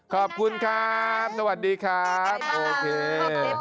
ขอบคุณครับสวัสดีครับโอเค